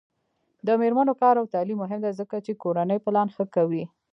د میرمنو کار او تعلیم مهم دی ځکه چې کورنۍ پلان ښه کوي.